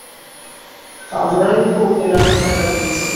আমরাই তো ওদের আস্কারা দিয়েছি।